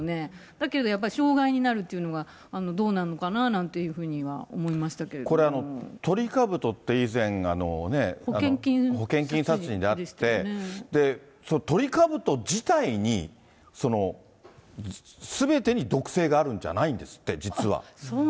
だけれども、やっぱり傷害になるというのがどうなのかななんていこれ、トリカブトって以前、保険金殺人であって、トリカブト自体に、すべてに毒性があるんじゃないんですって、実は。